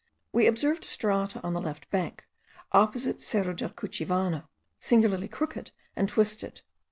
We observed strata on the left bank, opposite Cerro del Cuchivano, singularly crooked and twisted.